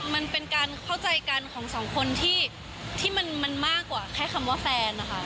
มันเป็นการเข้าใจกันของสองคนที่มันมากกว่าแค่คำว่าแฟนนะคะ